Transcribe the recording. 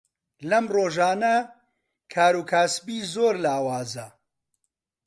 لەم ڕۆژانە کاروکاسبی زۆر لاوازە.